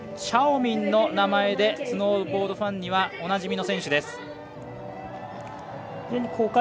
チャオミンの名前でスノーボードファンにはおなじみの選手です。